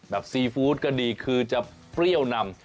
ซีฟู้ดก็ดีคือจะเปรี้ยวนำ